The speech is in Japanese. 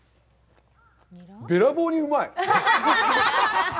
べらぼうにうまい！